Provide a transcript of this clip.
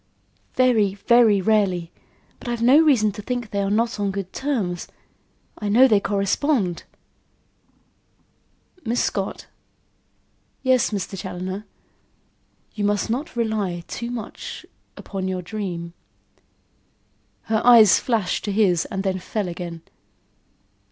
"Very, very rarely. But I've no reason to think they are not on good terms. I know they correspond." "Miss Scott?" "Yes, Mr. Challoner." "You must not rely too much upon your dream." Her eyes flashed to his and then fell again.